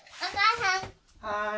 はい。